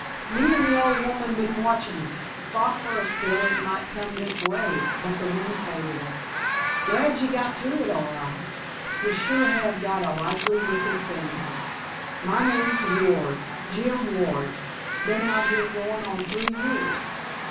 Me an' the old woman been watchin' it. Thought fer a spell it might come this way, but th' wind favored us. Glad ye got through all right. Ye sure have got a likely lookin' family. My name's Ward—Jim Ward. B'en out here goin' on three years.